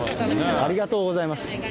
ありがとうございます。